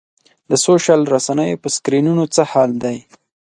دا سوشل رسنیو په سکرینونو څه حال دی.